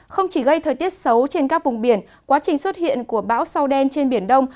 không chỉ gây thời tiết xấu trên các vùng biển quá trình xuất hiện của bão sao đen trên biển đông